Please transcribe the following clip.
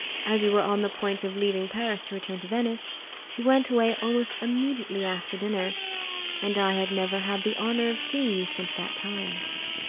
As you were on the point of leaving Paris to return to Venice, you went away almost immediately after dinner, and I have never had the honour of seeing you since that time."